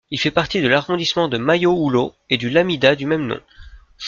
Il fait partie de l'arrondissement de Mayo-Oulo et du lamidat du même nom.